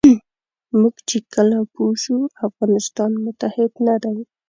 موږ چې کله پوه شو افغانستان متحد نه دی.